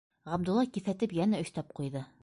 - Ғабдулла киҫәтеп йәнә өҫтәп ҡуйҙы.